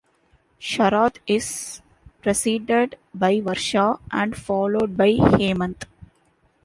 Sharad is preceded by Varsha and followed by Hemant.